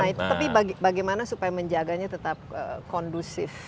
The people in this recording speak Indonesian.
nah itu tapi bagaimana supaya menjaganya tetap kondusif